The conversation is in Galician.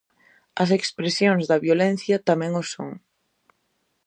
As expresións da violencia tamén o son.